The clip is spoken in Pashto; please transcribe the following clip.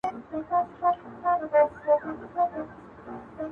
انسان نه یوازي خپل د ویلو مسؤل دی,